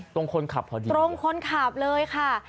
ตรงคนขับพอดีตรงคนขับเลยค่ะ